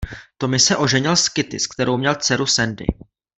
Tommy se oženil s Kitty s kterou měl dceru Sandy.